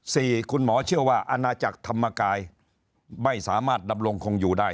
คุณหมอเชื่อว่าอาณาจักรธรรมกายไม่สามารถดำรงคงอยู่ได้